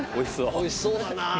美味しそうだな。